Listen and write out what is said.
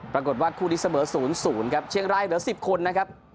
ปรากฏว่าคู่นี้เสมอ๐๐ครับเชียงรายเหลือ๑๐คนนะครับ